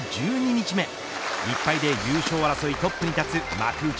１２日目１敗で優勝争いトップに立つ幕内